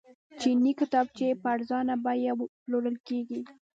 چیني کتابچې په ارزانه بیه پلورل کیږي.